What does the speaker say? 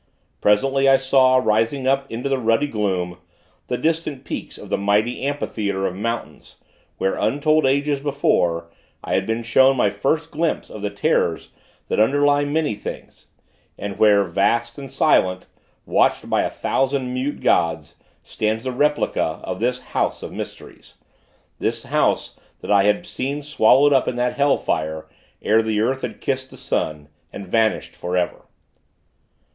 Presently, I saw, rising up into the ruddy gloom, the distant peaks of the mighty amphitheatre of mountains, where, untold ages before, I had been shown my first glimpse of the terrors that underlie many things; and where, vast and silent, watched by a thousand mute gods, stands the replica of this house of mysteries this house that I had seen swallowed up in that hell fire, ere the earth had kissed the sun, and vanished for ever.